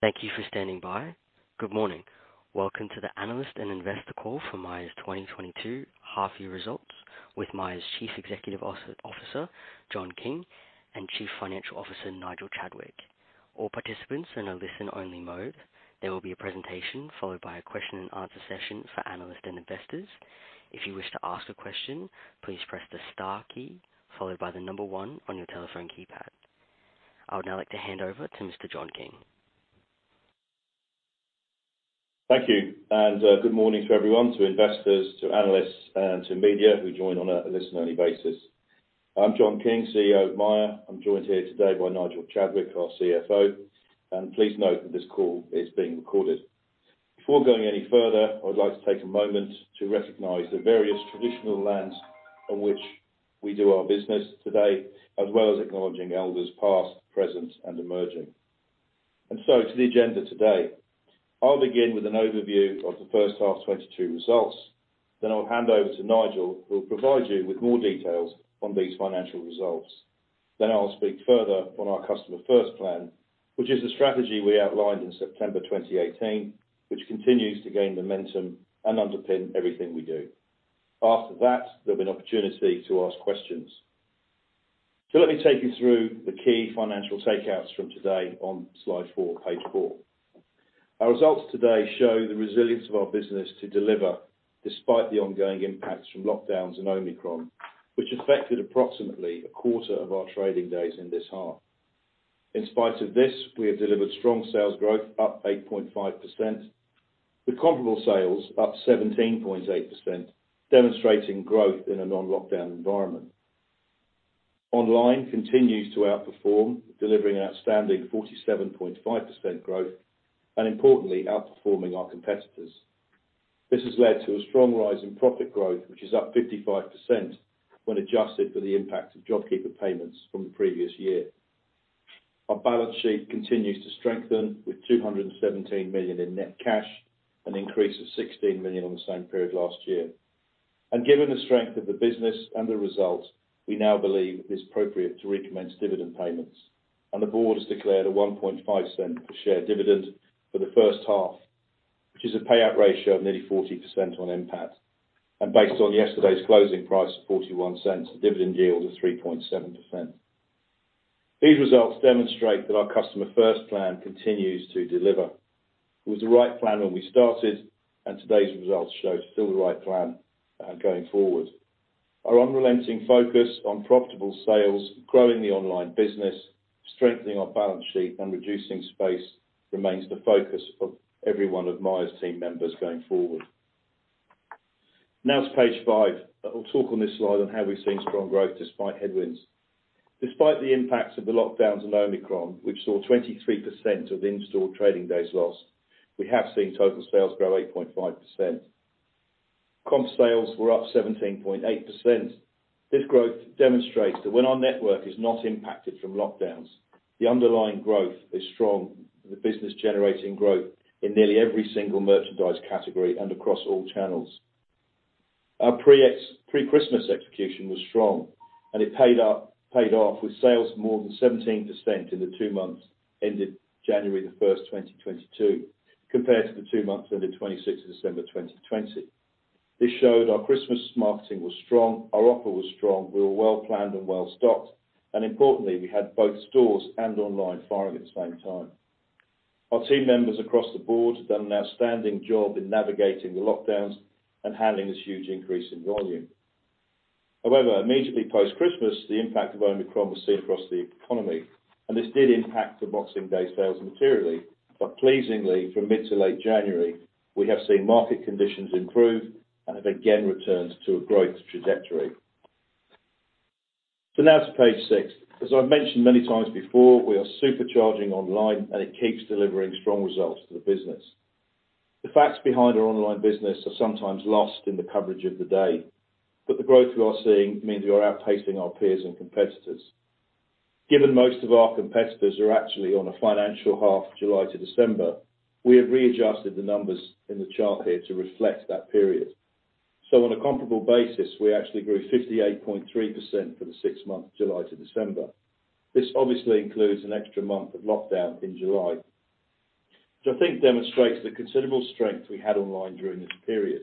Thank you for standing by. Good morning. Welcome to the analyst and investor call for Myer's 2022 half-year results with Myer's Chief Executive Officer, John King and Chief Financial Officer, Nigel Chadwick. All participants are in a listen only mode. There will be a presentation followed by a question and answer session for analysts and investors. If you wish to ask a question, please press the star key followed by the number one on your telephone keypad. I would now like to hand over to Mr. John King. Thank you, and good morning to everyone, to investors, to analysts, and to media who joined on a listen-only basis. I'm John King, CEO of Myer. I'm joined here today by Nigel Chadwick, our CFO. Please note that this call is being recorded. Before going any further, I would like to take a moment to recognize the various traditional lands on which we do our business today, as well as acknowledging elders past, present, and emerging. To the agenda today, I'll begin with an overview of the first half 2022 results, then I'll hand over to Nigel, who will provide you with more details on these financial results. Then I'll speak further on our Customer First Plan, which is the strategy we outlined in September 2018, which continues to gain momentum and underpin everything we do. After that, there'll be an opportunity to ask questions. Let me take you through the key financial takeouts from today on slide four, page four. Our results today show the resilience of our business to deliver despite the ongoing impacts from lockdowns and Omicron, which affected approximately a quarter of our trading days in this half. In spite of this, we have delivered strong sales growth up 8.5%. The comparable sales up 17.8%, demonstrating growth in a non-lockdown environment. Online continues to outperform, delivering outstanding 47.5% growth and importantly outperforming our competitors. This has led to a strong rise in profit growth, which is up 55% when adjusted for the impact of JobKeeper payments from the previous year. Our balance sheet continues to strengthen with 217 million in net cash, an increase of 16 million on the same period last year. Given the strength of the business and the results, we now believe it's appropriate to recommence dividend payments. The board has declared a 0.015 per share dividend for the first half, which is a payout ratio of nearly 40% on NPAT. Based on yesterday's closing price of 0.41, a dividend yield of 3.7%. These results demonstrate that our Customer First Plan continues to deliver. It was the right plan when we started, and today's results show it's still the right plan, going forward. Our unrelenting focus on profitable sales, growing the online business, strengthening our balance sheet, and reducing space remains the focus of every one of Myer's team members going forward. Now to page five. I'll talk on this slide on how we've seen strong growth despite headwinds. Despite the impacts of the lockdowns and Omicron, which saw 23% of in-store trading days lost, we have seen total sales grow 8.5%. Comp sales were up 17.8%. This growth demonstrates that when our network is not impacted from lockdowns, the underlying growth is strong, with the business generating growth in nearly every single merchandise category and across all channels. Our pre-Christmas execution was strong, and it paid off with sales more than 17% in the two months ended January 1st, 2022, compared to the two months ended December 26, 2020. This showed our Christmas marketing was strong, our offer was strong, we were well-planned and well-stocked. Importantly, we had both stores and online firing at the same time. Our team members across the board have done an outstanding job in navigating the lockdowns and handling this huge increase in volume. However, immediately post-Christmas, the impact of Omicron was seen across the economy, and this did impact the Boxing Day sales materially. Pleasingly, from mid to late January, we have seen market conditions improve and have again returned to a growth trajectory. Now to page six. As I've mentioned many times before, we are supercharging online, and it keeps delivering strong results to the business. The facts behind our online business are sometimes lost in the coverage of the day, but the growth we are seeing means we are outpacing our peers and competitors. Given most of our competitors are actually on a financial half July to December, we have readjusted the numbers in the chart here to reflect that period. On a comparable basis, we actually grew 58.3% for the six months, July to December. This obviously includes an extra month of lockdown in July, which I think demonstrates the considerable strength we had online during this period.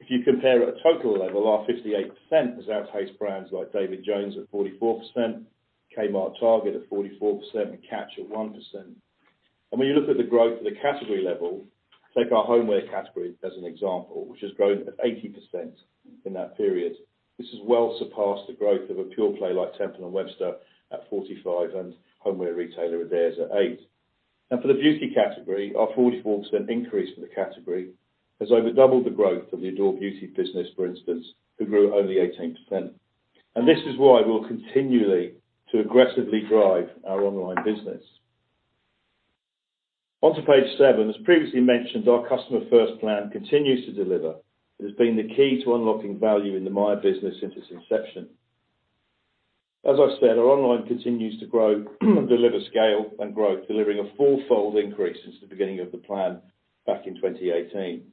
If you compare at a total level, our 58% has outpaced brands like David Jones at 44%, Kmart Target at 44%, and Catch at 1%. When you look at the growth at the category level, take our homeware category as an example, which has grown at 80% in that period. This has well surpassed the growth of a pure play like Temple & Webster at 45% and homeware retailer Adairs at 8%. For the beauty category, our 44% increase for the category has over doubled the growth of the Adore Beauty business, for instance, who grew only 18%. This is why we'll continue to aggressively drive our online business. On to page seven. As previously mentioned, our Customer First Plan continues to deliver. It has been the key to unlocking value in the Myer business since its inception. As I've said, our online continues to grow, deliver scale and growth, delivering a four-fold increase since the beginning of the plan back in 2018.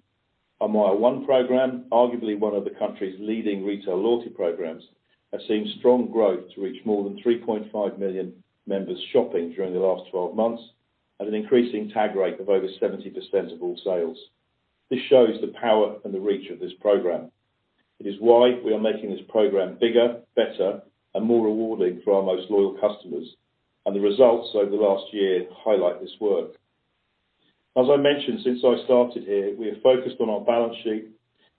Our MYER one program, arguably one of the country's leading retail loyalty programs, has seen strong growth to reach more than 3.5 million members shopping during the last 12 months, at an increasing tag rate of over 70% of sales. This shows the power and the reach of this program. It is why we are making this program bigger, better, and more rewarding for our most loyal customers, and the results over the last year highlight this work. As I mentioned since I started here, we have focused on our balance sheet,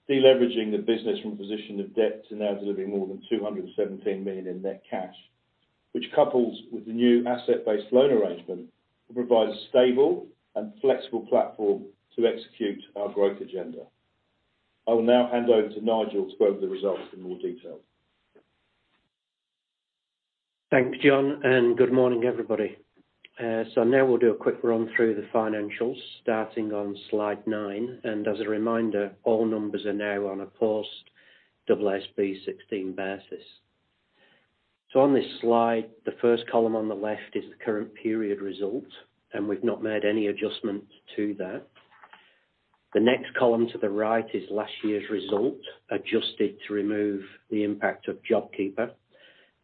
deleveraging the business from a position of debt to now delivering more than 217 million in net cash, which couples with the new asset-based loan arrangement to provide a stable and flexible platform to execute our growth agenda. I will now hand over to Nigel to go over the results in more detail. Thanks, John, and good morning, everybody. Now we'll do a quick run through the financials starting on slide nine. As a reminder, all numbers are now on a post AASB 16 basis. On this slide, the first column on the left is the current period result, and we've not made any adjustments to that. The next column to the right is last year's result, adjusted to remove the impact of JobKeeper,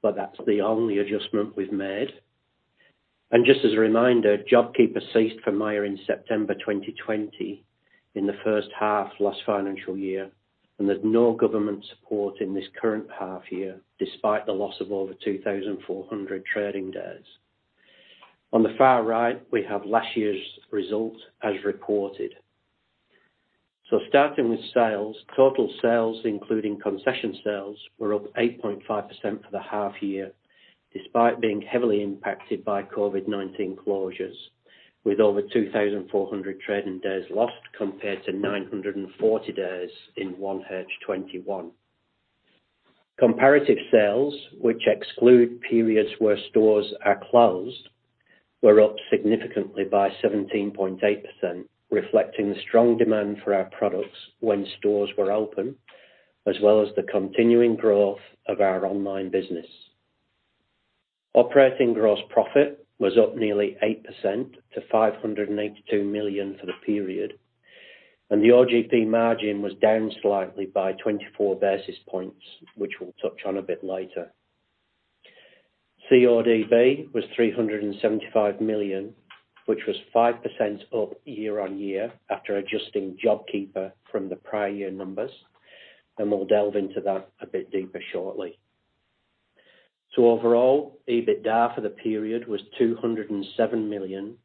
but that's the only adjustment we've made. Just as a reminder, JobKeeper ceased for Myer in September 2020 in the first half last financial year, and there's no government support in this current half year, despite the loss of over 2,400 trading days. On the far right, we have last year's results as reported. Starting with sales, total sales including concession sales were up 8.5% for the half year, despite being heavily impacted by COVID-19 closures with over 2,400 trading days lost compared to 940 days in 1H 2021. Comparative sales, which exclude periods where stores are closed, were up significantly by 17.8%, reflecting the strong demand for our products when stores were open, as well as the continuing growth of our online business. Operating gross profit was up nearly 8% to 582 million for the period, and the OGP margin was down slightly by 24 basis points, which we'll touch on a bit later. CODB was 375 million, which was 5% up year-on-year after adjusting JobKeeper from the prior year numbers, and we'll delve into that a bit deeper shortly. Overall, EBITDA for the period was 207 million,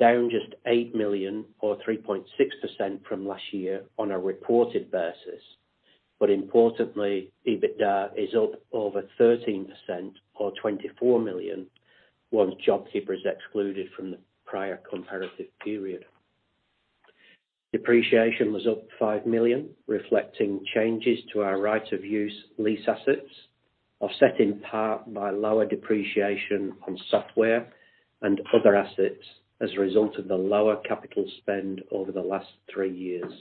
down just 8 million or 3.6% from last year on a reported basis. Importantly, EBITDA is up over 13% or 24 million once JobKeeper is excluded from the prior comparative period. Depreciation was up 5 million, reflecting changes to our right of use lease assets, offset in part by lower depreciation on software and other assets as a result of the lower capital spend over the last three years.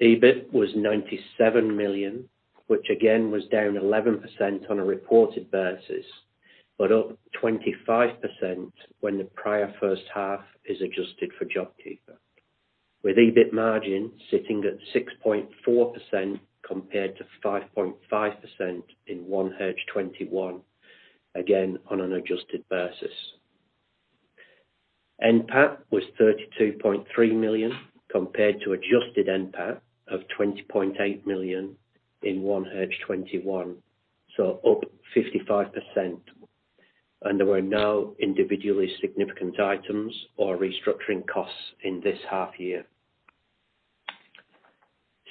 EBIT was 97 million, which again was down 11% on a reported basis, but up 25% when the prior first half is adjusted for JobKeeper, with EBIT margin sitting at 6.4% compared to 5.5% in 1H 2021, again on an adjusted basis. NPAT was 32.3 million compared to adjusted NPAT of 20.8 million in 1H 2021, so up 55%, and there were no individually significant items or restructuring costs in this half year.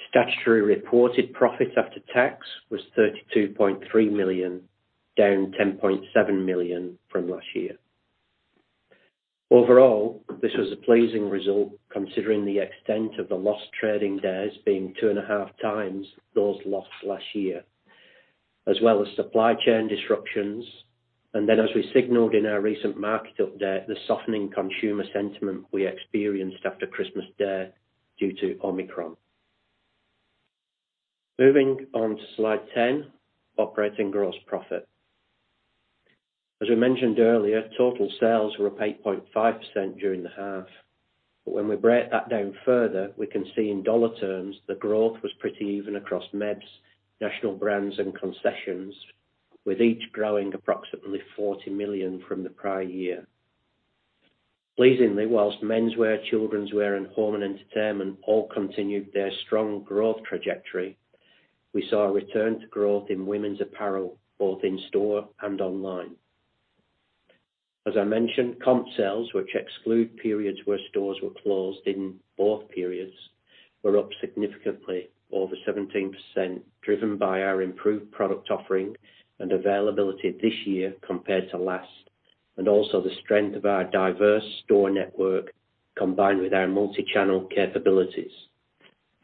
Statutory reported profits after tax was 32.3 million, down 10.7 million from last year. Overall, this was a pleasing result considering the extent of the lost trading days being 2.5x Those lost last year, as well as supply chain disruptions. As we signaled in our recent market update, the softening consumer sentiment we experienced after Christmas Day due to Omicron. Moving on to slide 10, operating gross profit. As we mentioned earlier, total sales were up 8.5% during the half. When we break that down further, we can see in dollar terms, the growth was pretty even across MEBs, national brands, and concessions, with each growing approximately 40 million from the prior year. Pleasingly, while menswear, childrenswear, and home and entertainment all continued their strong growth trajectory, we saw a return to growth in women's apparel, both in store and online. As I mentioned, comp sales, which exclude periods where stores were closed in both periods, were up significantly over 17%, driven by our improved product offering and availability this year compared to last, and also the strength of our diverse store network, combined with our multichannel capabilities,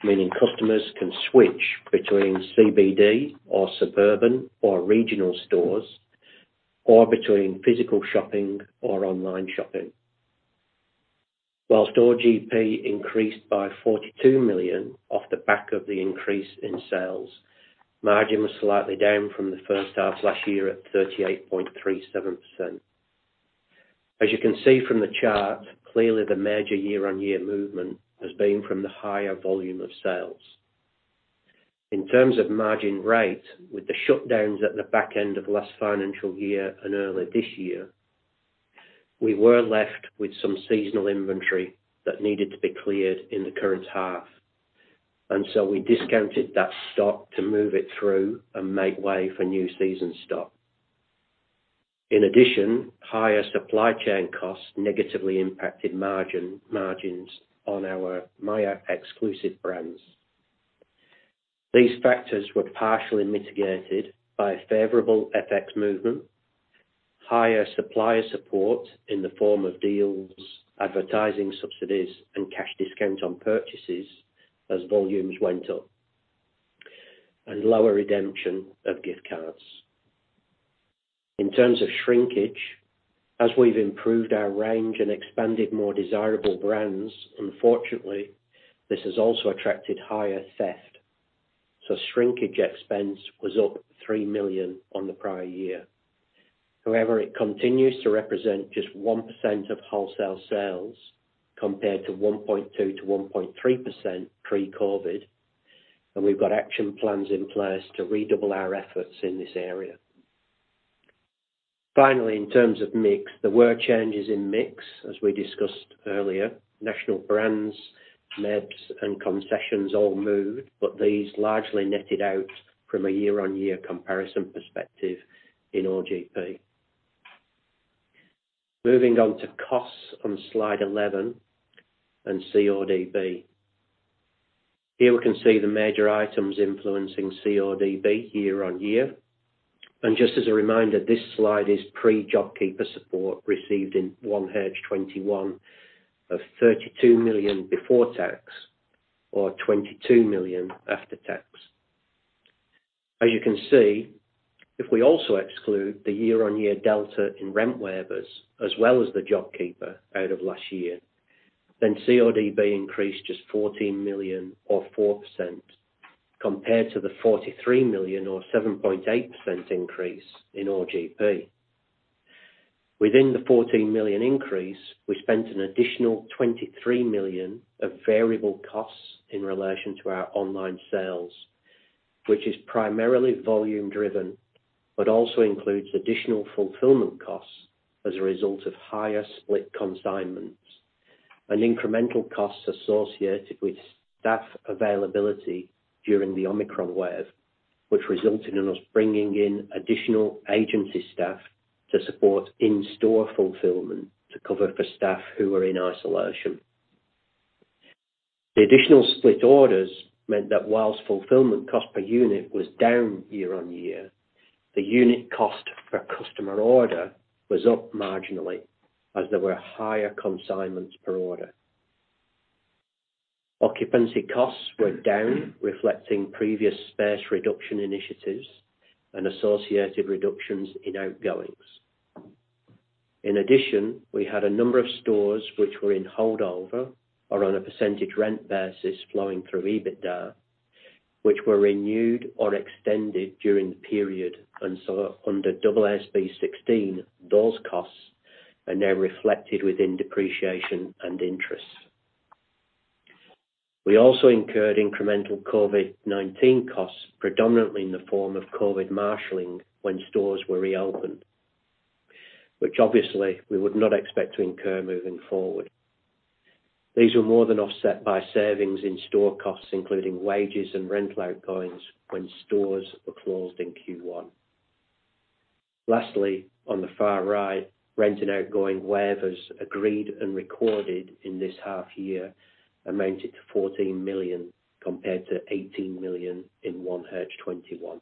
meaning customers can switch between CBD or suburban or regional stores, or between physical shopping or online shopping. While OGP increased by 42 million off the back of the increase in sales, margin was slightly down from the first half last year at 38.37%. As you can see from the chart, clearly the major year-on-year movement has been from the higher volume of sales. In terms of margin rate, with the shutdowns at the back end of last financial year and earlier this year, we were left with some seasonal inventory that needed to be cleared in the current half, and so we discounted that stock to move it through and make way for new season stock. In addition, higher supply chain costs negatively impacted margin, margins on our Myer Exclusive Brands. These factors were partially mitigated by favorable FX movement, higher supplier support in the form of deals, advertising subsidies, and cash discount on purchases as volumes went up, and lower redemption of gift cards. In terms of shrinkage, as we've improved our range and expanded more desirable brands, unfortunately, this has also attracted higher theft, so shrinkage expense was up 3 million on the prior year. However, it continues to represent just 1% of wholesale sales compared to 1.2%-1.3% pre-COVID, and we've got action plans in place to redouble our efforts in this area. Finally, in terms of mix, there were changes in mix as we discussed earlier. National brands, MEBs, and concessions all moved, but these largely netted out from a year-on-year comparison perspective in OGP. Moving on to costs on slide 11 and CODB. Here we can see the major items influencing CODB year-on-year. Just as a reminder, this slide is pre-JobKeeper support received in 1H 2021 of 32 million before tax or 22 million after tax. As you can see, if we also exclude the year-on-year delta in rent waivers as well as the JobKeeper out of last year, then CODB increased just 14 million or 4% compared to the 43 million or 7.8% increase in OGP. Within the 14 million increase, we spent an additional 23 million of variable costs in relation to our online sales, which is primarily volume driven, but also includes additional fulfillment costs as a result of higher split consignments and incremental costs associated with staff availability during the Omicron wave, which resulted in us bringing in additional agency staff to support in-store fulfillment to cover for staff who were in isolation. The additional split orders meant that while fulfillment cost per unit was down year-on-year, the unit cost per customer order was up marginally as there were higher consignments per order. Occupancy costs were down, reflecting previous space reduction initiatives and associated reductions in outgoings. In addition, we had a number of stores which were in holdover or on a percentage rent basis flowing through EBITDA, which were renewed or extended during the period. Under AASB 16, those costs are now reflected within depreciation and interest. We also incurred incremental COVID-19 costs, predominantly in the form of COVID marshaling when stores were reopened, which obviously we would not expect to incur moving forward. These were more than offset by savings in store costs, including wages and rent outgoings when stores were closed in Q1. Lastly, on the far right, rent and outgoings waivers agreed and recorded in this half year amounted to 14 million compared to 18 million in 1H 2021.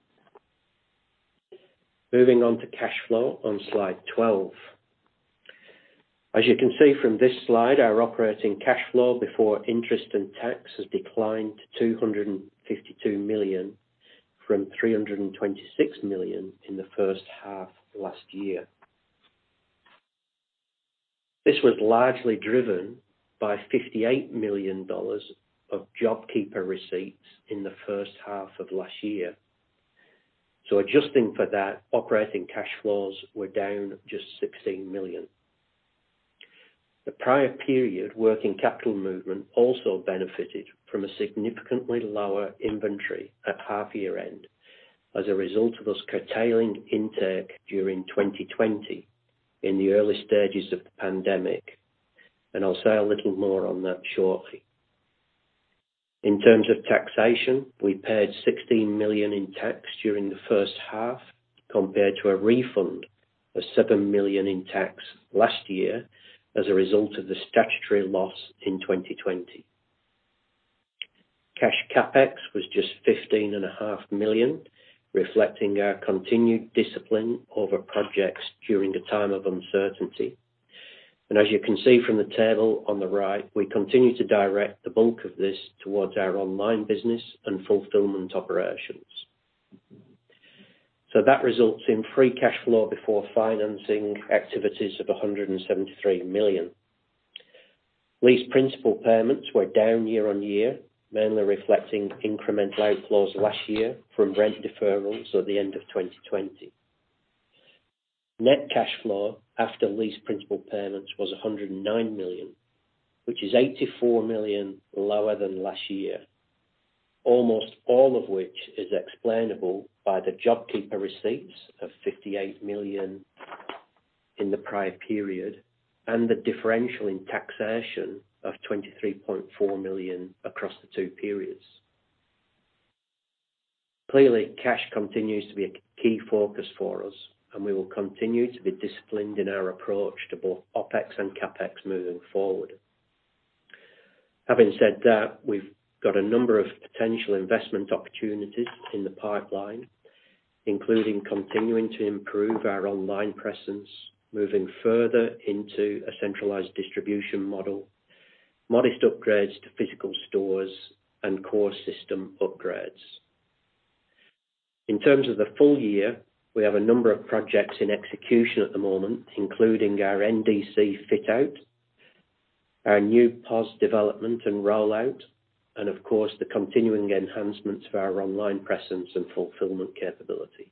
Moving on to cash flow on slide 12. As you can see from this slide, our operating cash flow before interest and tax has declined to 252 million from 326 million in the first half of last year. This was largely driven by 58 million dollars of JobKeeper receipts in the first half of last year. Adjusting for that, operating cash flows were down just 16 million. The prior period working capital movement also benefited from a significantly lower inventory at half year end as a result of us curtailing intake during 2020 in the early stages of the pandemic, and I'll say a little more on that shortly. In terms of taxation, we paid 16 million in tax during the first half compared to a refund of 7 million in tax last year as a result of the statutory loss in 2020. Cash CapEx was just 15.5 million, reflecting our continued discipline over projects during a time of uncertainty. As you can see from the table on the right, we continue to direct the bulk of this towards our online business and fulfillment operations. That results in free cash flow before financing activities of 173 million. Lease principal payments were down year-on-year, mainly reflecting incremental outflows last year from rent deferrals at the end of 2020. Net cash flow after lease principal payments was 109 million, which is 84 million lower than last year, almost all of which is explainable by the JobKeeper receipts of 58 million in the prior period, and the differential in taxation of 23.4 million across the two periods. Clearly, cash continues to be a key focus for us, and we will continue to be disciplined in our approach to both OpEx and CapEx moving forward. Having said that, we've got a number of potential investment opportunities in the pipeline, including continuing to improve our online presence, moving further into a centralized distribution model, modest upgrades to physical stores, and core system upgrades. In terms of the full year, we have a number of projects in execution at the moment, including our NDC fit-out, our new POS development and rollout, and of course, the continuing enhancements of our online presence and fulfillment capability.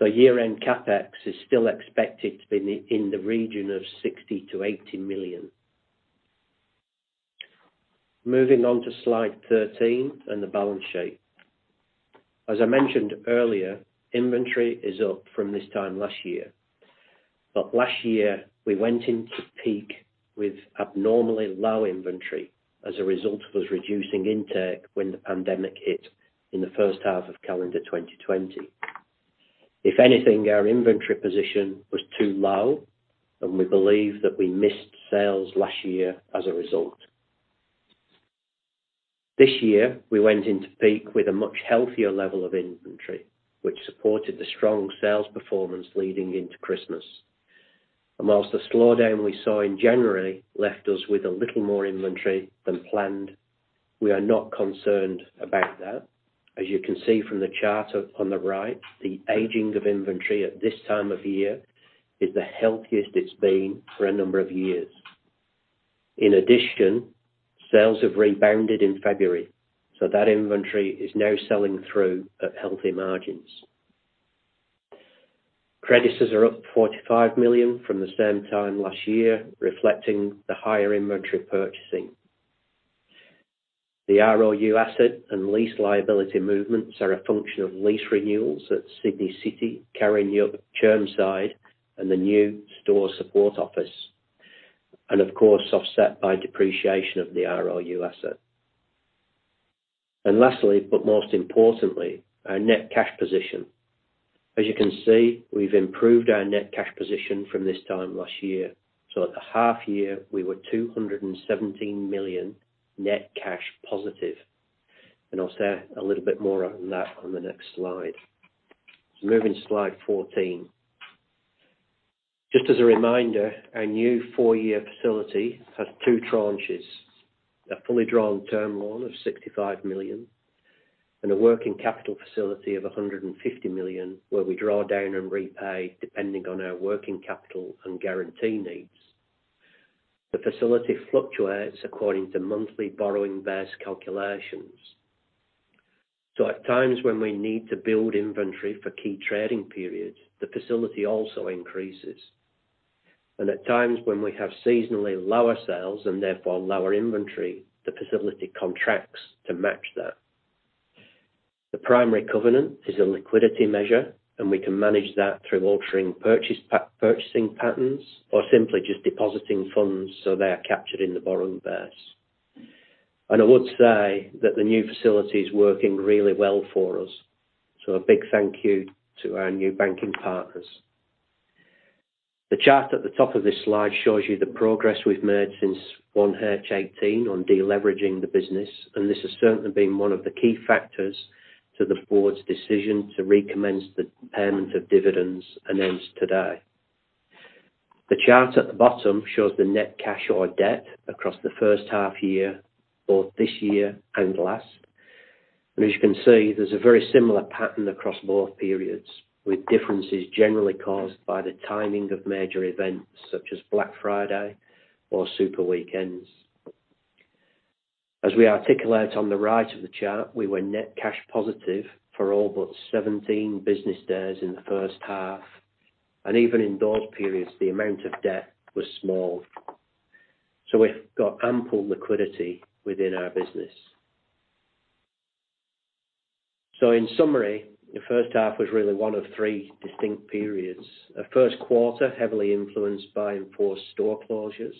Year-end CapEx is still expected to be in the region of 60 million-80 million. Moving on to slide 13 and the balance sheet. As I mentioned earlier, inventory is up from this time last year, but last year we went into peak with abnormally low inventory as a result of us reducing intake when the pandemic hit in the first half of calendar 2020. If anything, our inventory position was too low, and we believe that we missed sales last year as a result. This year we went into peak with a much healthier level of inventory, which supported the strong sales performance leading into Christmas. While the slowdown we saw in January left us with a little more inventory than planned, we are not concerned about that. As you can see from the chart on the right, the aging of inventory at this time of year is the healthiest it's been for a number of years. In addition, sales have rebounded in February, so that inventory is now selling through at healthy margins. Creditors are up 45 million from the same time last year, reflecting the higher inventory purchasing. The ROU asset and lease liability movements are a function of lease renewals at Sydney City, Caringbah, Chermside, and the new store support office, and of course, offset by depreciation of the ROU asset. Lastly, but most importantly, our net cash position. As you can see, we've improved our net cash position from this time last year. At the half year we were 217 million net cash positive, and I'll say a little bit more on that on the next slide. Moving to slide 14. Just as a reminder, our new four-year facility has two tranches, a fully drawn term loan of 65 million and a working capital facility of 150 million, where we draw down and repay depending on our working capital and guarantee needs. The facility fluctuates according to monthly borrowing base calculations. At times when we need to build inventory for key trading periods, the facility also increases. At times when we have seasonally lower sales and therefore lower inventory, the facility contracts to match that. The primary covenant is a liquidity measure, and we can manage that through altering purchasing patterns or simply just depositing funds so they are captured in the borrowing base. I would say that the new facility is working really well for us. A big thank you to our new banking partners. The chart at the top of this slide shows you the progress we've made since 1H 2018 on de-leveraging the business, and this has certainly been one of the key factors to the board's decision to recommence the payment of dividends announced today. The chart at the bottom shows the net cash or debt across the first half year, both this year and last. As you can see, there's a very similar pattern across both periods, with differences generally caused by the timing of major events such as Black Friday or Super Weekends. As we articulate on the right of the chart, we were net cash positive for all but 17 business days in the first half. Even in those periods, the amount of debt was small. We've got ample liquidity within our business. In summary, the first half was really one of three distinct periods. A first quarter heavily influenced by enforced store closures.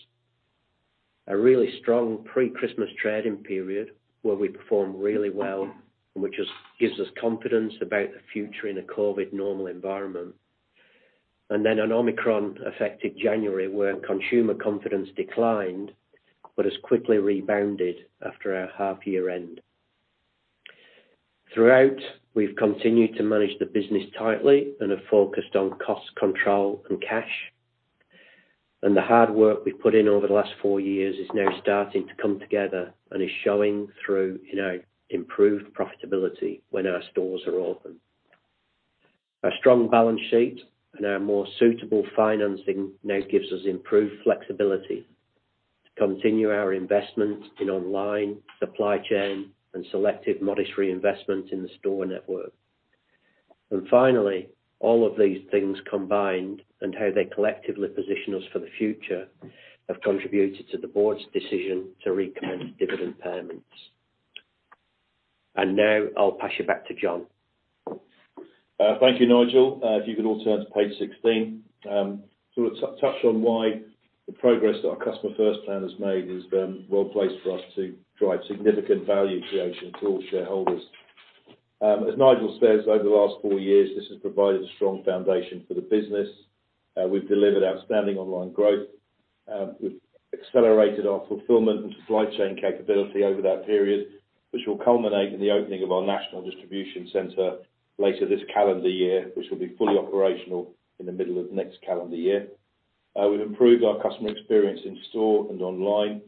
A really strong pre-Christmas trading period where we performed really well and which gives us confidence about the future in a COVID normal environment. Then an Omicron affected January, where consumer confidence declined but has quickly rebounded after our half year end. Throughout, we've continued to manage the business tightly and are focused on cost control and cash. The hard work we've put in over the last four years is now starting to come together and is showing through in our improved profitability when our stores are open. Our strong balance sheet and our more suitable financing now gives us improved flexibility to continue our investment in online supply chain and selective modest reinvestment in the store network. Finally, all of these things combined and how they collectively position us for the future have contributed to the board's decision to recommence dividend payments. Now I'll pass you back to John. Thank you, Nigel. If you could all turn to page 16, to touch on why the progress that our Customer First Plan has made has been well placed for us to drive significant value creation to all shareholders. As Nigel says, over the last four years, this has provided a strong foundation for the business. We've delivered outstanding online growth. We've accelerated our fulfillment and supply chain capability over that period, which will culminate in the opening of our national distribution center later this calendar year, which will be fully operational in the middle of next calendar year. We've improved our customer experience in store and online.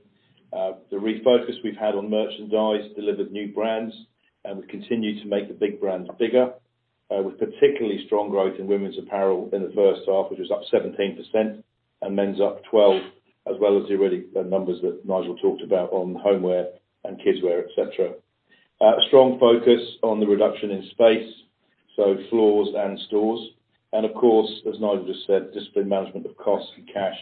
The refocus we've had on merchandise delivered new brands, and we continue to make the big brands bigger, with particularly strong growth in women's apparel in the first half, which is up 17% and men's up 12%, as well as the numbers that Nigel talked about on homeware and kidswear, etc. A strong focus on the reduction in space, so floors and stores. Of course, as Nigel just said, disciplined management of costs and cash,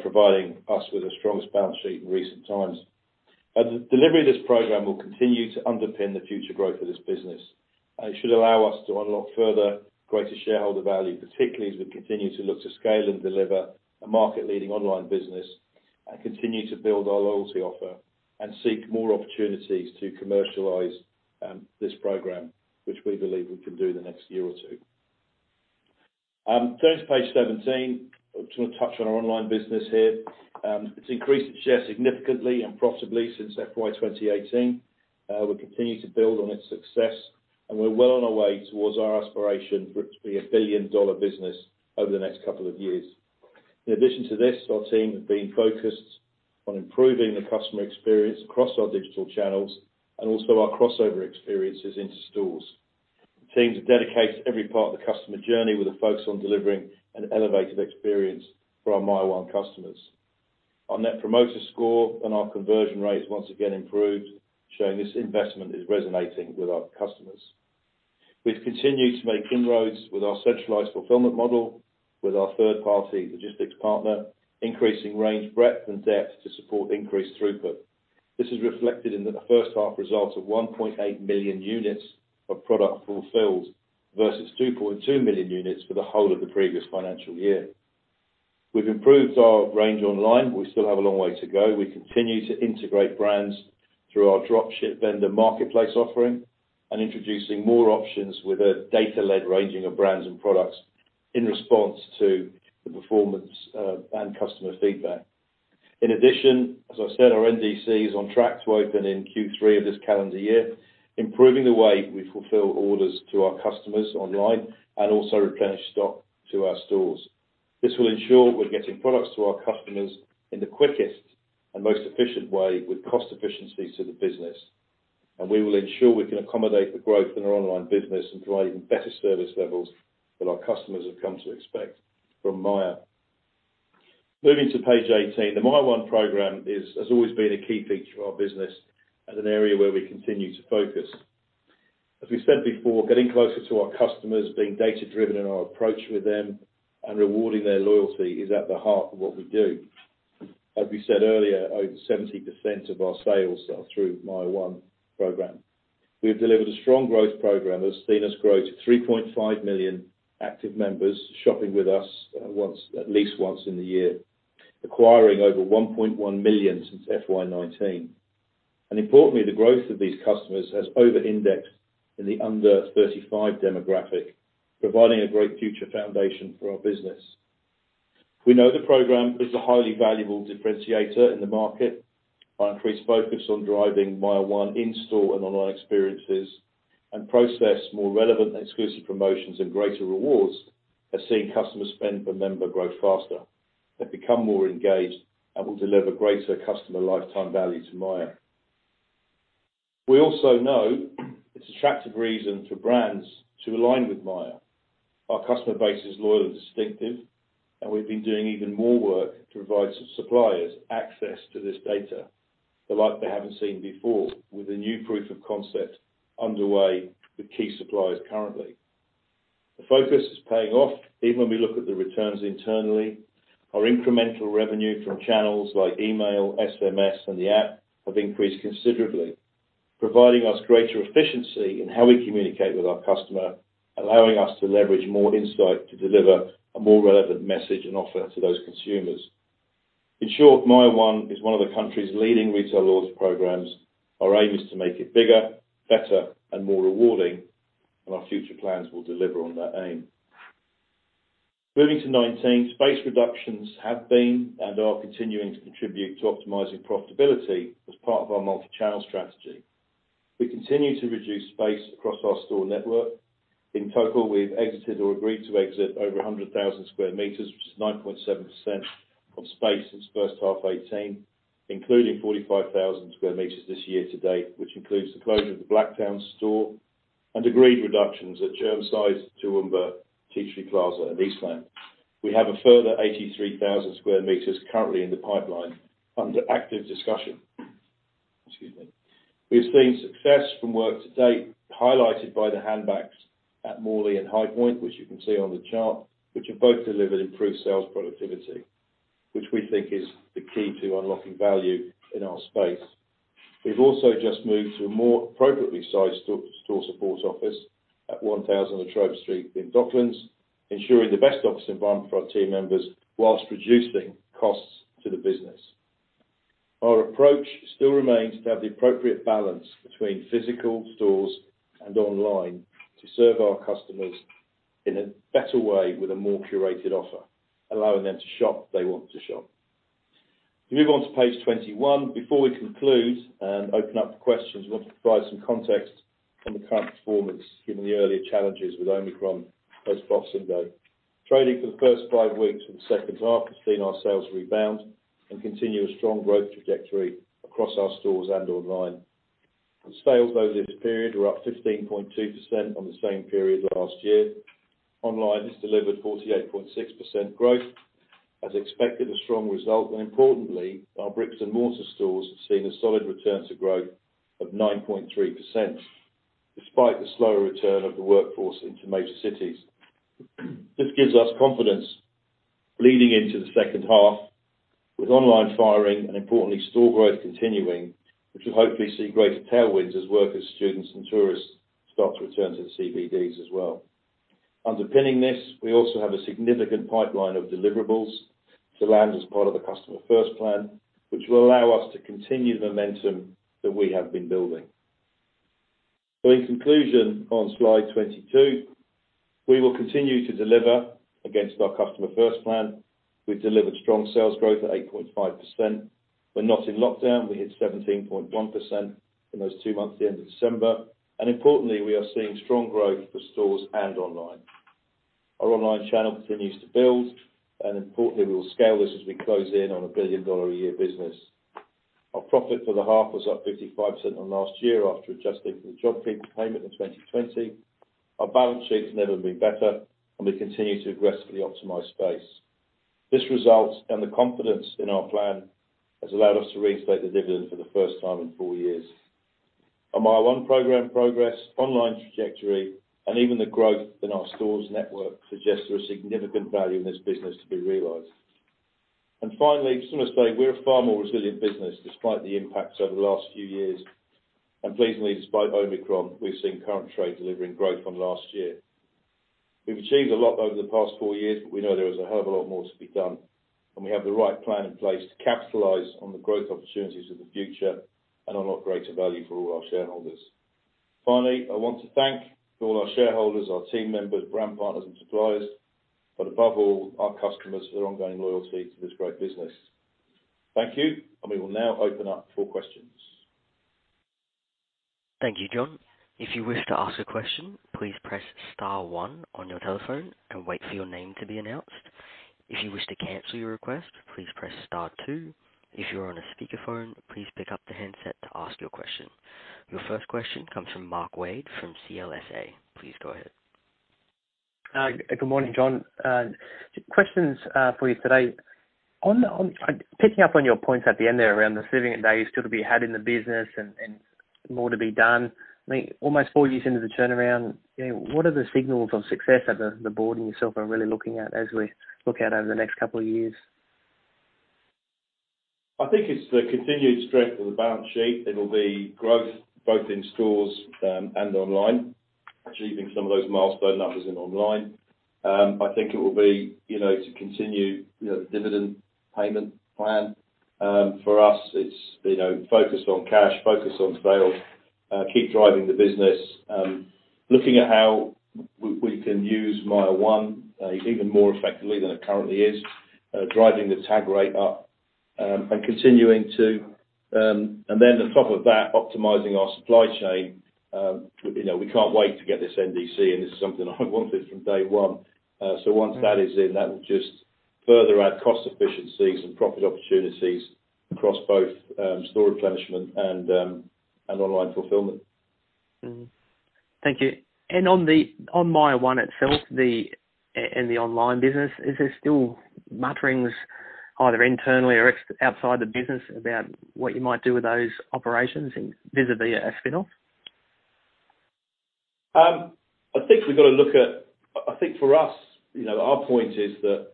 providing us with the strongest balance sheet in recent times. The delivery of this program will continue to underpin the future growth of this business, and it should allow us to unlock further greater shareholder value, particularly as we continue to look to scale and deliver a market-leading online business and continue to build our loyalty offer and seek more opportunities to commercialize, this program, which we believe we can do in the next year or two. Turning to page 17, I just wanna touch on our online business here. It's increased share significantly and profitably since FY 2018. We continue to build on its success, and we're well on our way towards our aspiration for it to be a billion-dollar business over the next couple of years. In addition to this, our team have been focused on improving the customer experience across our digital channels and also our crossover experiences into stores. The teams have dedicated every part of the customer journey with a focus on delivering an elevated experience for our MYER one customers. Our net promoter score and our conversion rates once again improved, showing this investment is resonating with our customers. We've continued to make inroads with our centralized fulfillment model with our third-party logistics partner, increasing range breadth and depth to support increased throughput. This is reflected in the first half results of 1.8 million units of product fulfilled versus 2.2 million units for the whole of the previous financial year. We've improved our range online. We still have a long way to go. We continue to integrate brands through our dropship vendor marketplace offering and introducing more options with a data-led ranging of brands and products in response to the performance, and customer feedback. In addition, as I said, our NDC is on track to open in Q3 of this calendar year, improving the way we fulfill orders to our customers online and also replenish stock to our stores. This will ensure we're getting products to our customers in the quickest and most efficient way with cost efficiencies to the business. We will ensure we can accommodate the growth in our online business and provide even better service levels that our customers have come to expect from Myer. Moving to page 18, the MYER one program is and has always been a key feature of our business and an area where we continue to focus. As we said before, getting closer to our customers, being data-driven in our approach with them, and rewarding their loyalty is at the heart of what we do. As we said earlier, over 70% of our sales are through MYER one program. We have delivered a strong growth program that's seen us grow to 3.5 million active members shopping with us once, at least once in the year, acquiring over 1.1 million since FY 2019. Importantly, the growth of these customers has over-indexed in the under 35 demographic, providing a great future foundation for our business. We know the program is a highly valuable differentiator in the market. Our increased focus on driving MYER one in-store and online experiences and process more relevant and exclusive promotions and greater rewards has seen customer spend per member grow faster. They've become more engaged and will deliver greater customer lifetime value to Myer. We also know it's attractive reason for brands to align with Myer. Our customer base is loyal and distinctive, and we've been doing even more work to provide suppliers access to this data the like they haven't seen before with a new proof of concept underway with key suppliers currently. The focus is paying off even when we look at the returns internally. Our incremental revenue from channels like email, SMS, and the app have increased considerably, providing us greater efficiency in how we communicate with our customer, allowing us to leverage more insight to deliver a more relevant message and offer to those consumers. In short, MYER one is one of the country's leading retail loyalty rewards programs. Our aim is to make it bigger, better, and more rewarding, and our future plans will deliver on that aim. Moving to 2019, space reductions have been and are continuing to contribute to optimizing profitability as part of our multi-channel strategy. We continue to reduce space across our store network. In total, we've exited or agreed to exit over 100,000 sq m, which is 9.7% of space since 1H 2018. Including 45,000 sq m this year to date, which includes the closure of the Blacktown store and agreed reductions at [Chermside], Toowoomba, Tea Tree Plaza, and Eastland. We have a further 83,000 sq m currently in the pipeline under active discussion. Excuse me. We have seen success from work to date, highlighted by the handbacks at Morley and High Point, which you can see on the chart, which have both delivered improved sales productivity, which we think is the key to unlocking value in our space. We've also just moved to a more appropriately sized store support office at 1,000 La Trobe Street in Docklands, ensuring the best office environment for our team members while reducing costs to the business. Our approach still remains to have the appropriate balance between physical stores and online to serve our customers in a better way with a more curated offer, allowing them to shop if they want to shop. If we move on to page 21. Before we conclude and open up the questions, we want to provide some context on the current performance, given the earlier challenges with Omicron post Boxing Day. Trading for the first five weeks of the second half has seen our sales rebound and continue a strong growth trajectory across our stores and online. Sales over this period were up 15.2% on the same period last year. Online has delivered 48.6% growth. As expected, a strong result, and importantly, our bricks and mortar stores have seen a solid return to growth of 9.3%, despite the slower return of the workforce into major cities. This gives us confidence leading into the second half with online firing and importantly store growth continuing, which will hopefully see greater tailwinds as workers, students and tourists start to return to the CBDs as well. Underpinning this, we also have a significant pipeline of deliverables to land as part of the Customer First Plan, which will allow us to continue the momentum that we have been building. In conclusion, on slide 22, we will continue to deliver against our Customer First Plan. We've delivered strong sales growth at 8.5%. When not in lockdown, we hit 17.1% in those two months at the end of December, and importantly, we are seeing strong growth for stores and online. Our online channel continues to build, and importantly, we will scale this as we close in on a billion-dollar a year business. Our profit for the half was up 55% on last year after adjusting for the JobKeeper payment in 2020. Our balance sheet's never been better, and we continue to aggressively optimize space. This result and the confidence in our plan has allowed us to reinstate the dividend for the first time in four years. Our MYER one program progress, online trajectory and even the growth in our stores network suggests there is significant value in this business to be realized. Finally, sum it up to say we're a far more resilient business despite the impacts over the last few years. Pleasingly, despite Omicron, we've seen current trade delivering growth from last year. We've achieved a lot over the past four years, but we know there is a hell of a lot more to be done, and we have the right plan in place to capitalize on the growth opportunities of the future and unlock greater value for all our shareholders. Finally, I want to thank all our shareholders, our team members, brand partners and suppliers, but above all, our customers for their ongoing loyalty to this great business. Thank you. We will now open up for questions. Thank you, John. If you wish to ask a question, please press star one on your telephone and wait for your name to be announced. If you wish to cancel your request, please press star two. If you are on a speakerphone, please pick up the handset to ask your question. Your first question comes from Mark Wade from CLSA. Please go ahead. Good morning, John. Two questions for you today. Picking up on your points at the end there around the significant value still to be had in the business and more to be done, I mean, almost four years into the turnaround, you know, what are the signals of success that the board and yourself are really looking at as we look out over the next couple of years? I think it's the continued strength of the balance sheet. It'll be growth both in stores and online, achieving some of those milestone numbers in online. I think it will be, you know, to continue, you know, the dividend payment plan. For us, it's, you know, focused on cash, focused on sales, keep driving the business, looking at how we can use MYER one even more effectively than it currently is, driving the tag rate up, and continuing to optimize our supply chain. You know, we can't wait to get this NDC, and this is something I wanted from day one. So once that is in, that will just further add cost efficiencies and profit opportunities across both store replenishment and online fulfillment. Thank you. On MYER one itself and the online business, is there still mutterings either internally or outside the business about what you might do with those operations, and vis-à-vis a spinoff? I think we've got to look at, I think for us, you know, our point is that,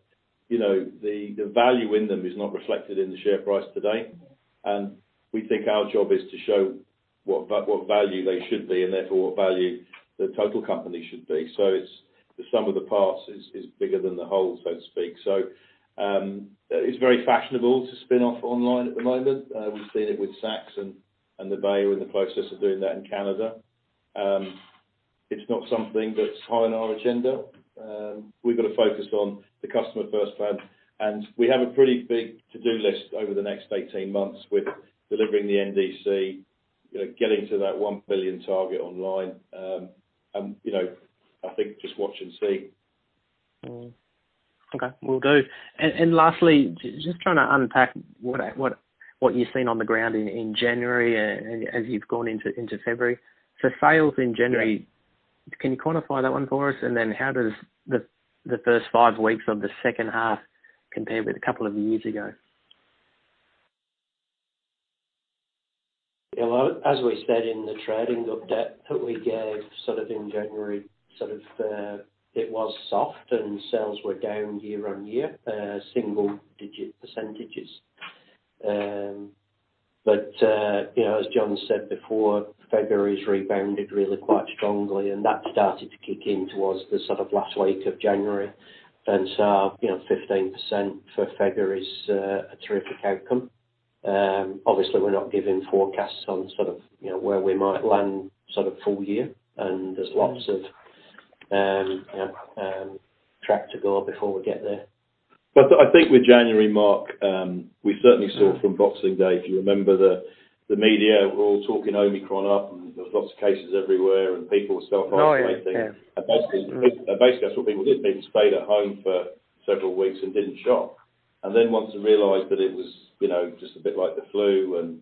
you know, the value in them is not reflected in the share price today. We think our job is to show what value they should be and therefore what value the total company should be. It's the sum of the parts is bigger than the whole, so to speak. It's very fashionable to spin off online at the moment. We've seen it with Saks and the Bay were in the process of doing that in Canada. It's not something that's high on our agenda. We've got to focus on the Customer First Plan, and we have a pretty big to-do list over the next 18 months with delivering the NDC, you know, getting to that 1 billion target online. You know, I think just watch and see. Okay, will do. Lastly, just trying to unpack what you've seen on the ground in January as you've gone into February. Sales in January. Can you quantify that one for us? How does the first five weeks of the second half compare with a couple of years ago? Yeah, well, as we said in the trading update that we gave sort of in January, sort of, it was soft and sales were down year-on-year single-digit percentages. You know, as John said before, February's rebounded really quite strongly, and that started to kick in towards the sort of last week of January. You know, 15% for February is a terrific outcome. Obviously we're not giving forecasts on sort of, you know, where we might land sort of full year, and there's lots of track to go before we get there. I think with January, Mark, we certainly saw from Boxing Day, if you remember the media were all talking Omicron up, and there was lots of cases everywhere and people were self-isolating. No. Yeah. Basically that's what people did, people stayed at home for several weeks and didn't shop. Then once they realized that it was, you know, just a bit like the flu and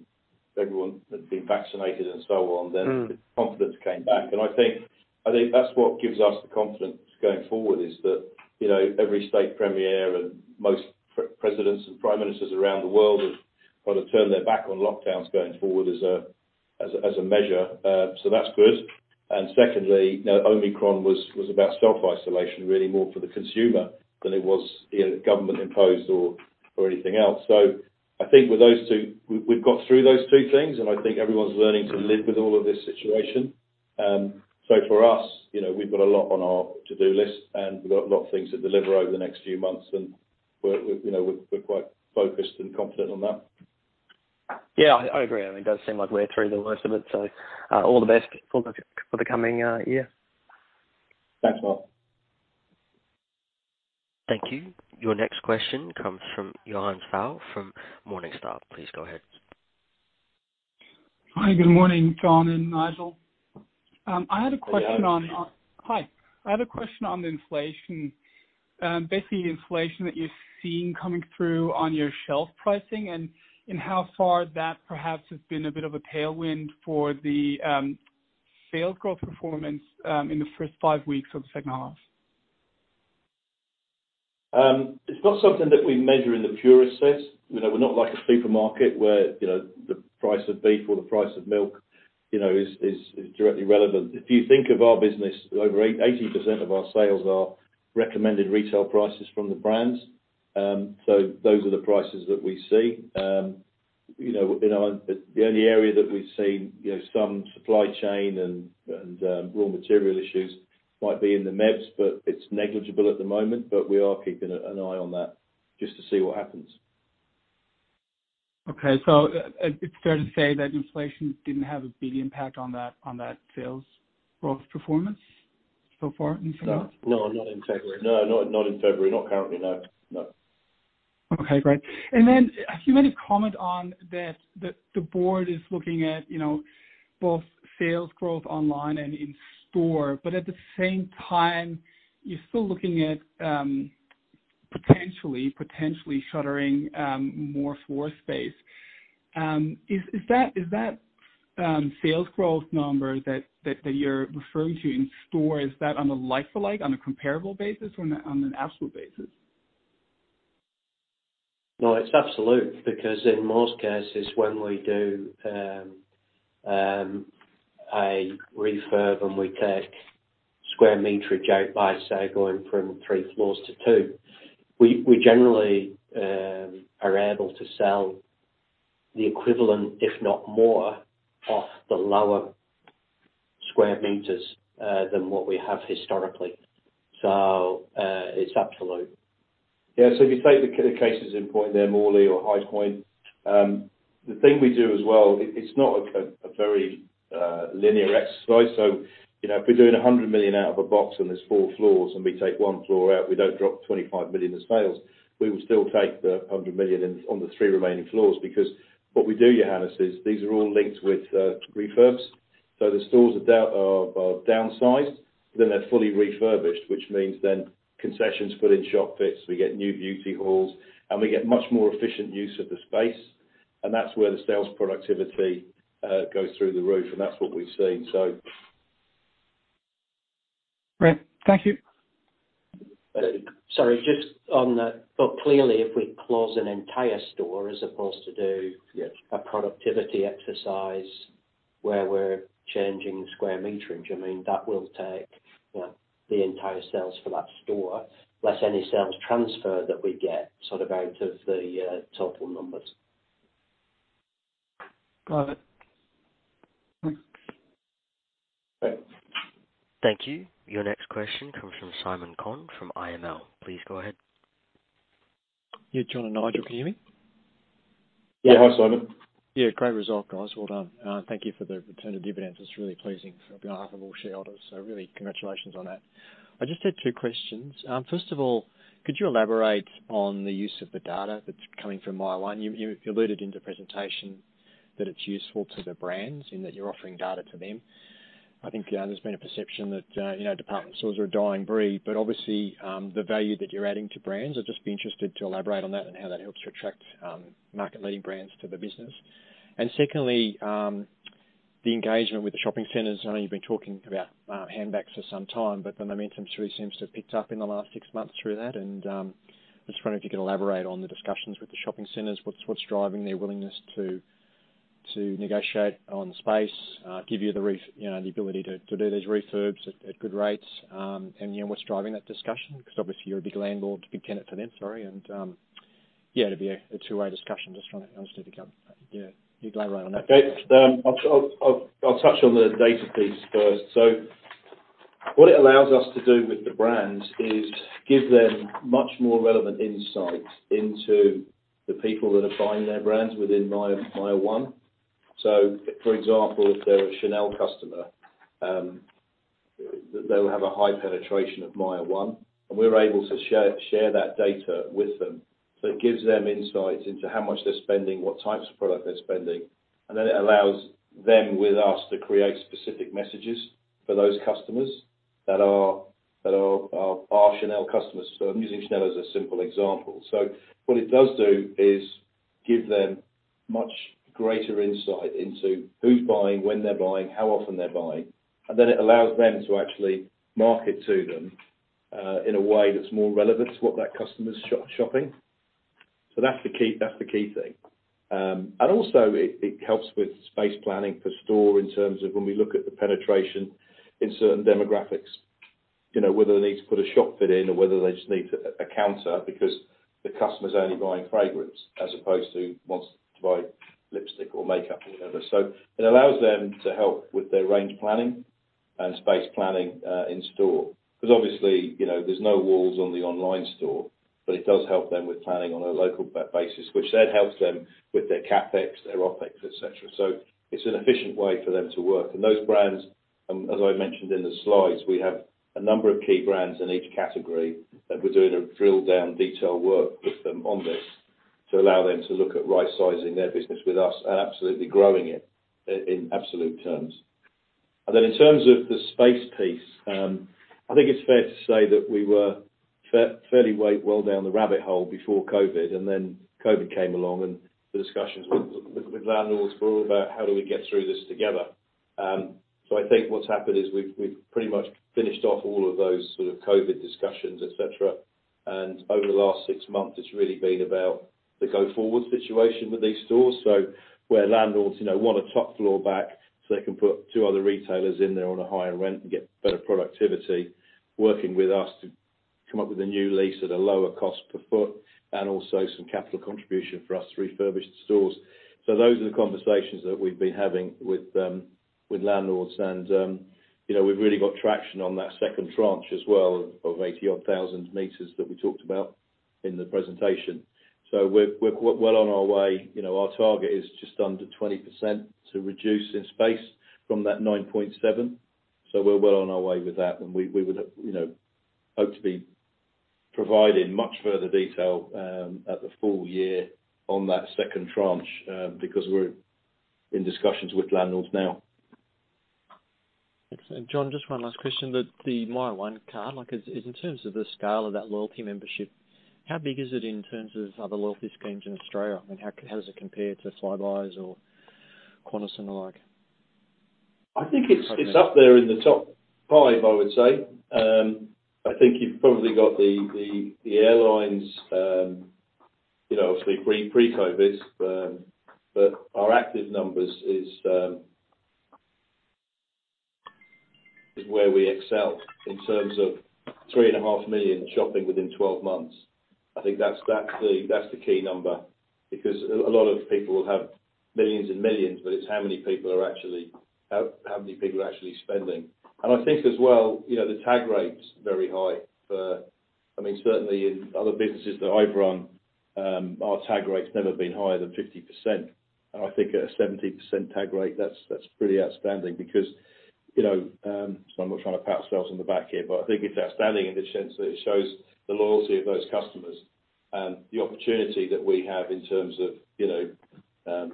everyone had been vaccinated and so on, then the confidence came back. I think that's what gives us the confidence going forward is that, you know, every state premier and most presidents and prime ministers around the world have kind of turned their back on lockdowns going forward as a measure. That's good. Secondly, you know, Omicron was about self-isolation really more for the consumer than it was, you know, government imposed or anything else. I think with those two, we've got through those two things, and I think everyone's learning to live with all of this situation. For us, you know, we've got a lot on our to-do list, and we've got a lot of things to deliver over the next few months, and we're quite focused and confident on that. Yeah, I agree. I mean, it does seem like we're through the worst of it, so all the best for the coming year. Thanks, Mark. Thank you. Your next question comes from Johannes Faul from Morningstar. Please go ahead. Hi, good morning, John and Nigel. I had a question on- Good morning. Hi. I had a question on the inflation. Basically the inflation that you're seeing coming through on your shelf pricing and how far that perhaps has been a bit of a tailwind for the sales growth performance in the first five weeks of the second half. It's not something that we measure in the purest sense. You know, we're not like a supermarket where, you know, the price of beef or the price of milk, you know, is directly relevant. If you think of our business, over 80% of our sales are recommended retail prices from the brands. So those are the prices that we see. You know, the only area that we've seen, you know, some supply chain and raw material issues might be in the MEBs, but it's negligible at the moment, but we are keeping an eye on that just to see what happens. It's fair to say that inflation didn't have a big impact on that sales growth performance so far in February? No, not in February. Not currently, no. Okay, great. Then you made a comment on that the board is looking at, you know, both sales growth online and in store, but at the same time, you're still looking at potentially shuttering more floor space. Is that sales growth number that you're referring to in store, is that on a like-for-like, on a comparable basis or on an absolute basis? No, it's absolute because in most cases, when we do a refurb and we take square meterage out by, say, going from three floors to two, we generally are able to sell the equivalent, if not more, off the lower square meters than what we have historically. It's absolute. If you take the cases in point there, Morley or High Point, the thing we do as well, it's not a very linear exercise. You know, if we're doing 100 million out of a box and there's four floors and we take one floor out, we don't drop 25 million as sales. We will still take the 100 million in, on the three remaining floors because what we do, Johannes, is these are all linked with refurbs. The stores are downsized, then they're fully refurbished, which means then concessions put in shop fits, we get new beauty halls, and we get much more efficient use of the space. That's where the sales productivity goes through the roof. That's what we've seen so. Great. Thank you. Sorry, just on that, but clearly, if we close an entire store as opposed to do- Yes. A productivity exercise where we're changing square meterage, I mean, that will take, you know, the entire sales for that store, less any sales transfer that we get sort of out of the total numbers. Got it. Thanks. Thanks. Thank you. Your next question comes from Simon Conn from IML. Please go ahead. Yeah, John and Nigel, can you hear me? Yeah, hi, Simon. Yeah, great result, guys. Well done. Thank you for the return of dividends. It's really pleasing on behalf of all shareholders, so really congratulations on that. I just had two questions. First of all, could you elaborate on the use of the data that's coming from Myer? You alluded in the presentation that it's useful to the brands and that you're offering data to them. I think, there's been a perception that, you know, department stores are a dying breed, but obviously, the value that you're adding to brands, I'd just be interested to elaborate on that and how that helps you attract, market-leading brands to the business. Secondly, the engagement with the shopping centers. I know you've been talking about, handbacks for some time, but the momentum sure seems to have picked up in the last six months through that. I was just wondering if you could elaborate on the discussions with the shopping centers. What's driving their willingness to negotiate on space, give you the ref, you know, the ability to do these refurbs at good rates, and, you know, what's driving that discussion? Because obviously, you're a big tenant to them, sorry, and, yeah, it'd be a two-way discussion. Just trying to understand, you know, you'd elaborate on that. Okay. I'll touch on the data piece first. What it allows us to do with the brands is give them much more relevant insights into the people that are buying their brands within Myer, MYER one. For example, if they're a Chanel customer, they'll have a high penetration of MYER one, and we're able to share that data with them. It gives them insights into how much they're spending, what types of product they're spending. Then it allows them, with us, to create specific messages for those customers that are Chanel customers. I'm using Chanel as a simple example. What it does do is give them much greater insight into who's buying, when they're buying, how often they're buying. It allows them to actually market to them in a way that's more relevant to what that customer's shopping. That's the key thing. It helps with space planning for store in terms of when we look at the penetration in certain demographics. You know, whether they need to put a shop fit in or whether they just need a counter because the customer's only buying fragrance as opposed to wants to buy lipstick or makeup or whatever. It allows them to help with their range planning and space planning in store. 'Cause obviously, you know, there's no walls on the online store, but it does help them with planning on a local basis, which then helps them with their CapEx, their OpEx, et cetera. It's an efficient way for them to work. Those brands, as I mentioned in the slides, we have a number of key brands in each category that we're doing a drill-down detail work with them on this to allow them to look at right-sizing their business with us and absolutely growing it in absolute terms. Then in terms of the space piece, I think it's fair to say that we were fairly well down the rabbit hole before COVID, and then COVID came along, and the discussions with landlords were all about how do we get through this together. I think what's happened is we've pretty much finished off all of those sort of COVID discussions, et cetera. Over the last six months, it's really been about the go-forward situation with these stores. Where landlords, you know, want a top floor back so they can put two other retailers in there on a higher rent and get better productivity, working with us to come up with a new lease at a lower cost per foot and also some capital contribution for us to refurbish the stores. Those are the conversations that we've been having with with landlords and, you know, we've really got traction on that second tranche as well of 80,000-odd sq m that we talked about in the presentation. We're quite well on our way. You know, our target is just under 20% to reduce in space from that 9.7. We're well on our way with that, and we would, you know, hope to be providing much further detail at the full year on that second tranche because we're in discussions with landlords now. Excellent. John, just one last question. The MYER one card, like, in terms of the scale of that loyalty membership, how big is it in terms of other loyalty schemes in Australia? I mean, how does it compare to Flybuys or Qantas and the like? I think it's up there in the top five, I would say. I think you've probably got the airlines, you know, obviously pre-COVID. Our active numbers is where we excel in terms of 3.5 million shopping within 12 months. I think that's the key number because a lot of people will have millions and millions, but it's how many people are actually spending. I think as well, you know, the tag rate's very high, I mean, certainly in other businesses that I've run, our tag rate's never been higher than 50%. I think at a 70% tag rate, that's pretty outstanding because, you know. I'm not trying to pat ourselves on the back here, but I think it's outstanding in the sense that it shows the loyalty of those customers and the opportunity that we have in terms of, you know,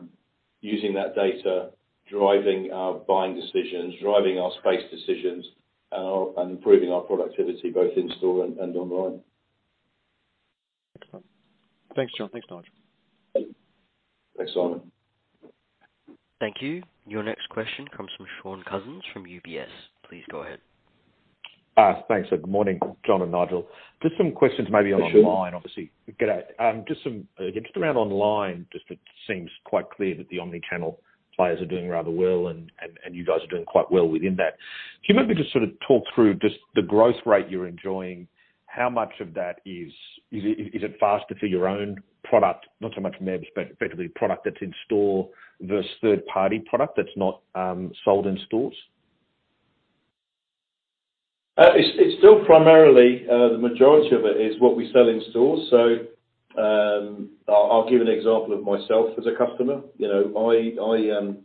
using that data, driving our buying decisions, driving our space decisions, and improving our productivity both in store and online. Thanks, John. Thanks, Nigel. Thanks, Simon. Thank you. Your next question comes from Shaun Cousins from UBS. Please go ahead. Thanks. Good morning, John and Nigel. Just some questions maybe. Hi, Shaun. On online, obviously. Good day. Again, just around online, it seems quite clear that the omni-channel players are doing rather well and you guys are doing quite well within that. Do you mind me just sort of talk through just the growth rate you're enjoying? How much of that is it faster for your own product? Not so much from their perspective, effectively product that's in store versus third-party product that's not sold in stores. It's still primarily the majority of it is what we sell in stores. I'll give an example of myself as a customer. You know,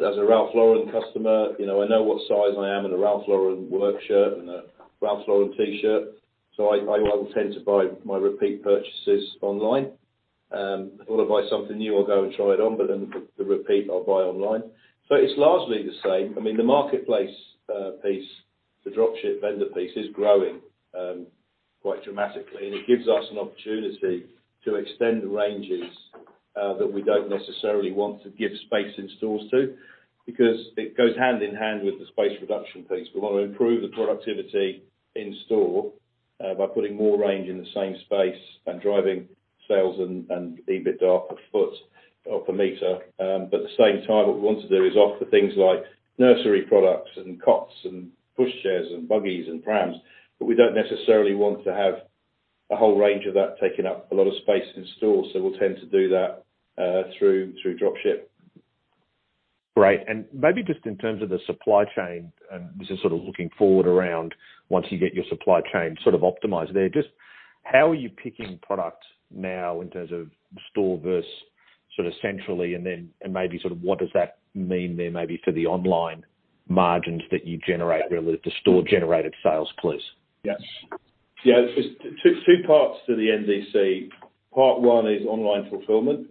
as a Ralph Lauren customer, you know, I know what size I am in a Ralph Lauren work shirt and a Ralph Lauren T-shirt, so I will tend to buy my repeat purchases online. If I wanna buy something new, I'll go and try it on, but then the repeat I'll buy online. So it's largely the same. I mean, the marketplace piece, the drop ship vendor piece is growing quite dramatically. It gives us an opportunity to extend the ranges that we don't necessarily want to give space in stores to, because it goes hand in hand with the space reduction piece. We wanna improve the productivity in store by putting more range in the same space and driving sales and EBIT per foot or per meter. At the same time, what we want to do is offer things like nursery products and cots and pushchairs and buggies and prams, but we don't necessarily want to have a whole range of that taking up a lot of space in stores. We'll tend to do that through drop ship. Great. Maybe just in terms of the supply chain, and this is sort of looking forward around once you get your supply chain sort of optimized there, just how are you picking product now in terms of store versus sort of centrally? Then, maybe sort of what does that mean then maybe for the online margins that you generate relative to store generated sales, please? Yes. Yeah, there are two parts to the NDC. Part one is online fulfillment.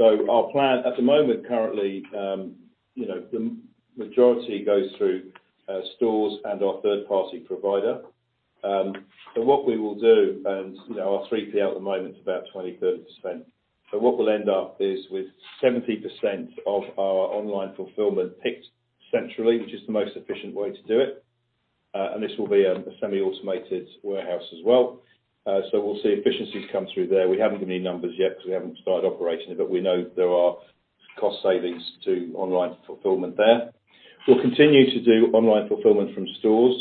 Our plan at the moment currently, you know, the majority goes through stores and our third party provider. What we will do, and, you know, our 3P at the moment is about 20%-30%. What we'll end up with is 70% of our online fulfillment picked centrally, which is the most efficient way to do it. This will be a semi-automated warehouse as well. We'll see efficiencies come through there. We haven't given you numbers yet because we haven't started operating, but we know there are cost savings to online fulfillment there. We'll continue to do online fulfillment from stores.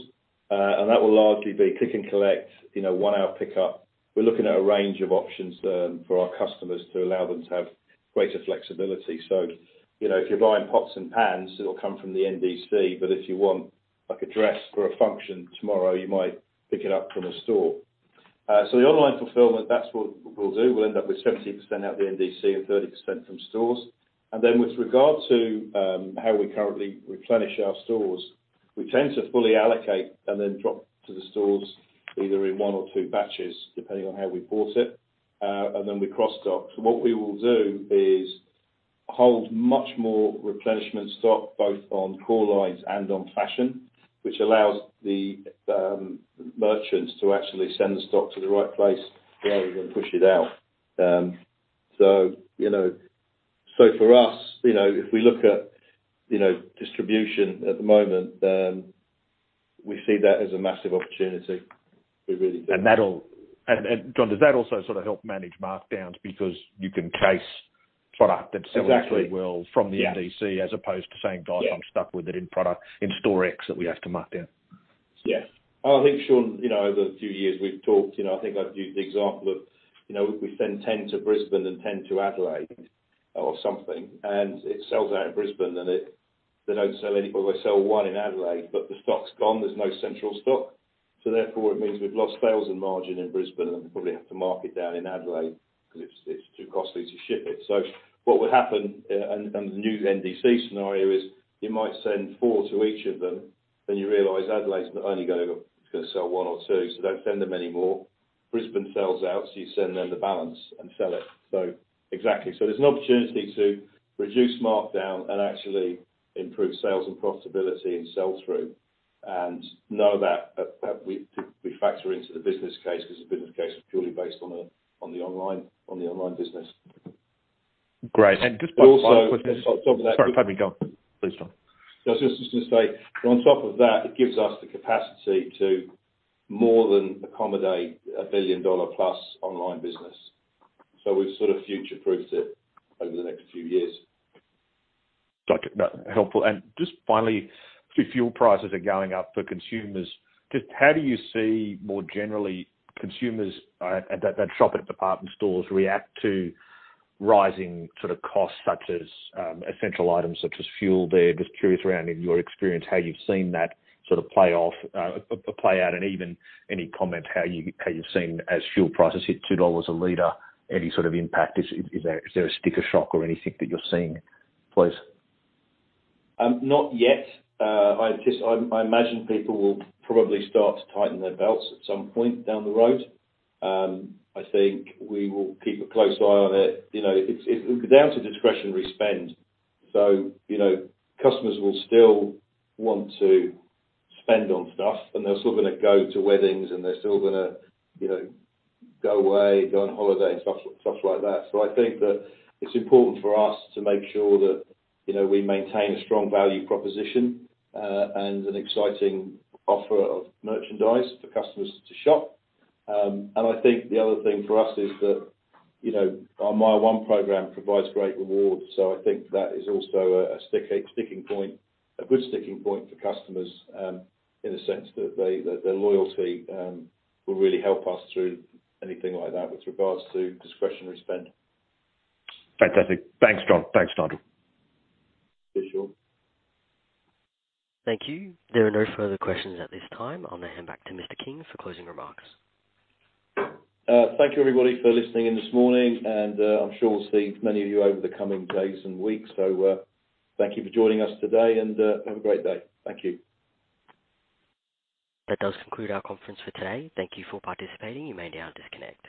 That will largely be click and collect, you know, one-hour pickup. We're looking at a range of options then for our customers to allow them to have greater flexibility. You know, if you're buying pots and pans, it'll come from the NDC, but if you want like a dress for a function tomorrow, you might pick it up from a store. The online fulfillment, that's what we'll do. We'll end up with 70% out of the NDC and 30% from stores. With regard to how we currently replenish our stores, we tend to fully allocate and then drop to the stores either in one or two batches, depending on how we bought it, and then we cross stock. What we will do is hold much more replenishment stock, both on core lines and on fashion, which allows the merchants to actually send the stock to the right place rather than push it out. For us, you know, if we look at, you know, distribution at the moment, we see that as a massive opportunity. We really do. John, does that also sort of help manage markdowns because you can chase product that sells? Exactly. Really well from the NDC as opposed to saying, "Guys, I'm stuck with it in product in store X that we have to markdown. Yes. I think, Shaun, you know, over the few years we've talked, you know, I think I've used the example of, you know, we send 10 to Brisbane and 10 to Adelaide or something, and it sells out in Brisbane, and they don't sell any, but they sell one in Adelaide, but the stock's gone. There's no central stock. So therefore it means we've lost sales and margin in Brisbane, and we probably have to mark it down in Adelaide because it's too costly to ship it. So what would happen, and the new NDC scenario is you might send four to each of them. Then you realize Adelaide's only gonna sell one or two, so don't send them any more. Brisbane sells out, so you send them the balance and sell it. So exactly. There's an opportunity to reduce markdown and actually improve sales and profitability and sell through and know that we factor into the business case because the business case was purely based on the online business. Great. On top of that. Sorry. Pardon me, John. Please, John. I was just gonna say, on top of that, it gives us the capacity to more than accommodate an 1 billion dollar+ online business. We've sort of future-proofed it over the next few years. Got it. That's helpful. Just finally, fuel prices are going up for consumers. Just how do you see more generally consumers that shop at department stores react to rising sort of costs such as essential items such as fuel there? Just curious around in your experience, how you've seen that sort of play out and even any comment how you've seen as fuel prices hit 2 dollars a liter, any sort of impact. Is there a sticker shock or anything that you're seeing, please? Not yet. I imagine people will probably start to tighten their belts at some point down the road. I think we will keep a close eye on it. You know, it's down to discretionary spend. You know, customers will still want to spend on stuff, and they're still gonna go to weddings, and they're still gonna go away, go on holiday, and stuff like that. I think that it's important for us to make sure that we maintain a strong value proposition and an exciting offer of merchandise for customers to shop. I think the other thing for us is that our MYER one program provides great rewards. I think that is also a good sticking point for customers, in the sense that their loyalty will really help us through anything like that with regards to discretionary spend. Fantastic. Thanks, John. Thanks, Nigel. Sure, Shaun. Thank you. There are no further questions at this time. I'll now hand back to Mr. King for closing remarks. Thank you, everybody, for listening in this morning, and I'm sure we'll see many of you over the coming days and weeks. Thank you for joining us today and have a great day. Thank you. That does conclude our conference for today. Thank you for participating. You may now disconnect.